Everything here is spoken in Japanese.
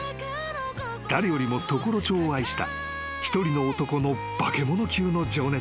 ［誰よりも常呂町を愛した一人の男のバケモノ級の情熱］